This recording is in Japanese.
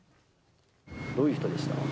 どういう人でした？